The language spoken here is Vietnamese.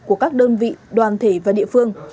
của các đơn vị đoàn thể và địa phương